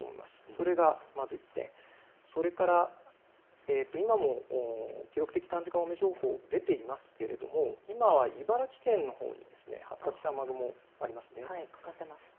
それがまず１点、それから今も記録的短時間大雨情報、出ていますけれど今は茨城県のほうに発達した雨雲、ありますね。